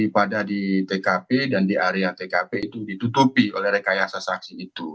pada di tkp dan di area tkp itu ditutupi oleh rekayasa saksi itu